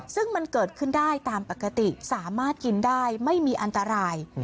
ซึ่งมันเกิดขึ้นได้ตามปกติสามารถกินได้ไม่มีอันตราย